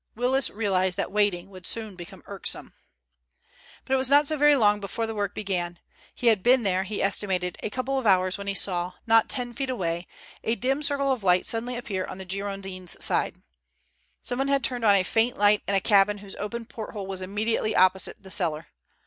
Willis realized that waiting would soon become irksome. But it was not so very long before the work began. He had been there, he estimated, a couple of hours when he saw, not ten feet away, a dim circle of light suddenly appear on the Girondin's side. Someone had turned on a faint light in a cabin whose open porthole was immediately opposite the cellar.